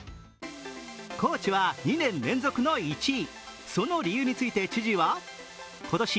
高知は２年連続の１位。